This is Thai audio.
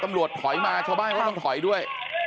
ตำรวจถอยมาชาวบ้านก็ต้องถอยด้วย